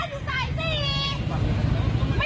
ดูชุดของด้วย